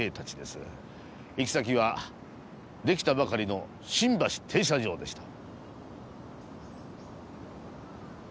行き先はできたばかりの新橋停車場でした。